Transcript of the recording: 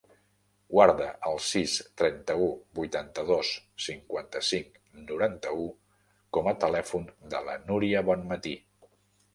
Guarda el sis, trenta-u, vuitanta-dos, cinquanta-cinc, noranta-u com a telèfon de la Núria Bonmati.